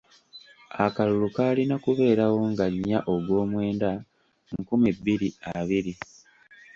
Akalulu kaalina kubeerawo nga nnya ogw'omwenda nkumi bbiri abiri.